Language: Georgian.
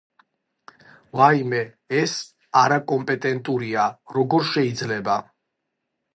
ვაიმე ეს არაკომპიტენტურია როგორ შეიძლება!